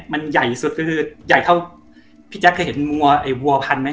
มันใหญ่สุดก็คือใหญ่เท่าพี่แจ๊คเคยเห็นวัวไอ้วัวพันไหม